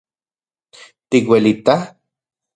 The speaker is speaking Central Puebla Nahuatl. ¿Tikuelita?